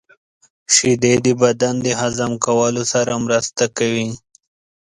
• شیدې د بدن د هضم کولو سره مرسته کوي.